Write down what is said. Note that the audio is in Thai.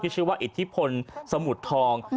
ชื่อว่าอิทธิพลสมุทรทอง